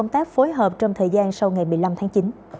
công tác phối hợp trong thời gian sau ngày một mươi năm tháng chín